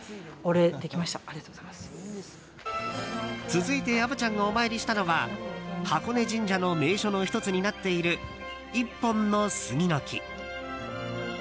続いて虻ちゃんがお参りしたのは箱根神社の名所の１つになっている、１本の杉の木。